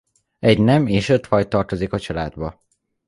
Egy nem és öt faj tartozik a családba.